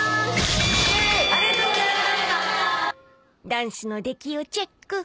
［ダンスの出来をチェック］